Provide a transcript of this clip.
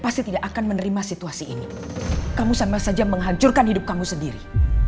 pasti tidak akan menerima situasi ini kamu sama saja menghancurkan hidup kamu sendiri